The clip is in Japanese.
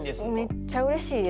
めっちゃうれしいですね。